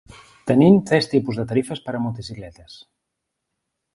Tenim tres tipus de tarifes per a motocicletes.